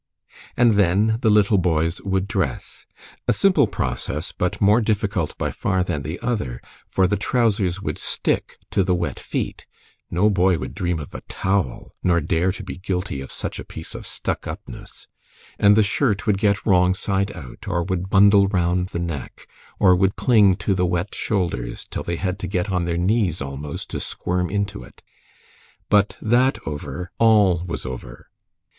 And then the little boys would dress. A simple process, but more difficult by far than the other, for the trousers would stick to the wet feet no boy would dream of a towel, nor dare to be guilty of such a piece of "stuck upness" and the shirt would get wrong side out, or would bundle round the neck, or would cling to the wet shoulders till they had to get on their knees almost to squirm into it. But that over, all was over.